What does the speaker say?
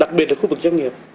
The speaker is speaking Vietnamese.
đặc biệt là khu vực doanh nghiệp